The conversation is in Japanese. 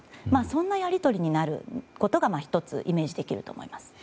そんなやり取りになることが１つイメージできると思います。